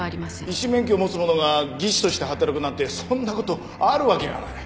医師免許を持つ者が技師として働くなんてそんなことあるわけがない。